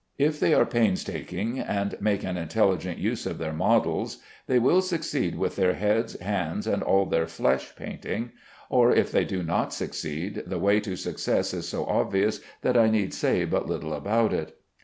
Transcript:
If they are painstaking and make an intelligent use of their models they will succeed with their heads, hands, and all their flesh painting; or if they do not succeed, the way to success is so obvious that I need say but little about it.